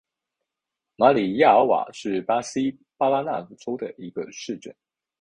马里亚尔瓦是巴西巴拉那州的一个市镇。